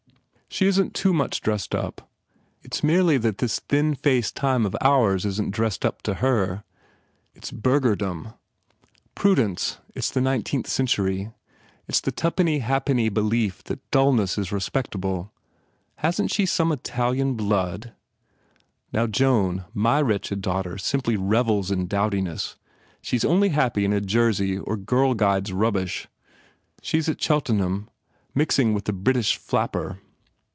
She isn t too much dressed up. It s merely that this thin faced time of ours isn t dressed up to her. She s Delia Robbia and we re Whistler. It s burgherdom. Prudence. It s the nineteenth century. It s the tupenny ha penny belief that dullness is respectable. Hasn t she some Italian blood? Now Joan my wretched daughter simply revels in dowdiness. She s only happy in a jersey or .Girl Guides rub bish. She s at Cheltenham, mixing with the Brit ish flapper.